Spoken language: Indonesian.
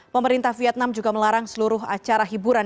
pemerintah vietnam juga melarang seluruh acara hiburan